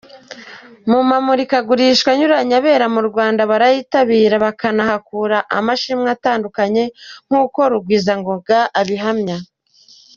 Mu mamurikagurisha anyuranye abera mu Rwanda barayitabira bakahakura amashimwe atandukanye nk’uko Rugwizangoga abihamya.